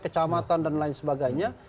kecamatan dan lain sebagainya